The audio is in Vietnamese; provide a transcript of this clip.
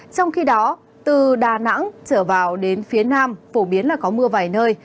trong khi đó từ đà nẵng trở vào đến phía nam phổ biến là có mưa vài nơi